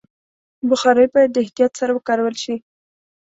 بخاري باید د احتیاط سره وکارول شي.